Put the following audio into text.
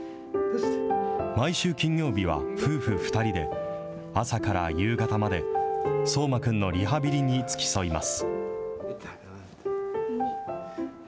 毎週金曜日は夫婦２人で朝から夕方まで、奏真くんのリハビリに付き添います。